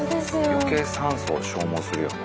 余計酸素を消耗するよね。